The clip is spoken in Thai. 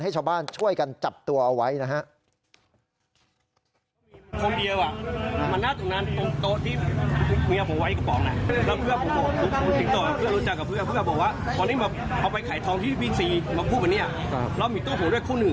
มาพูดแบบนี้แล้วมีตัวผมด้วยคู่หนึ่ง